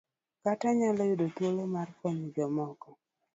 Kata nyalo yudo thuolo mar konyo jomoko.